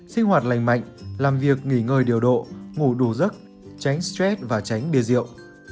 sinh hoạt lành mạnh làm việc nghỉ ngơi điều độ ngủ đủ giấc tránh stress và tránh bia rượu